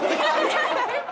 ハハハハ！